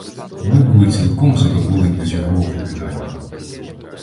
Ми були цілком задоволені з його оповідань.